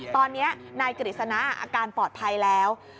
ตอนนี้นายกฤษณะอาการปลอดภัยแล้ว